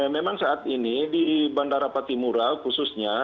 memang saat ini di bandara patimura khususnya